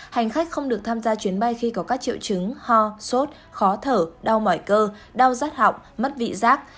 hành khách không được tham gia chuyến bay khi có các triệu chứng ho sốt khó thở đau mỏi cơ đau rắt họng mất vị giác